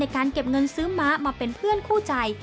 การเก็บเงินซื้อม้ามาเป็นเพื่อนคู่ใจ